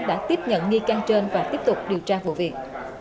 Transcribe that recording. đã tiếp nhận nghi can trên và tiếp tục điều tra vụ việc